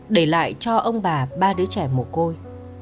để lại cho ông bà ba đứa trẻ mồ côi